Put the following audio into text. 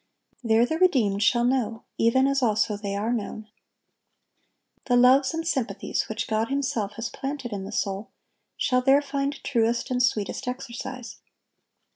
There the redeemed shall "know, even as also they are known." The loves and sympathies which God Himself has planted in the soul, shall there find truest and sweetest exercise.